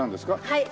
はい。